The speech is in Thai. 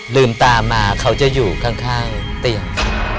ลืมตามาเขาจะอยู่ข้างเตียง